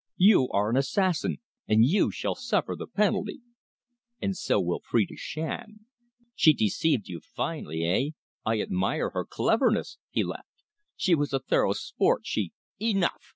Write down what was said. You are an assassin, and you shall suffer the penalty." "And so will Phrida Shand. She deceived you finely eh? I admire her cleverness," he laughed "She was a thorough Sport, she " "Enough!"